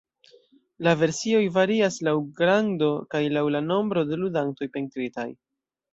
La versioj varias laŭ grando kaj laŭ la nombro de ludantoj pentritaj.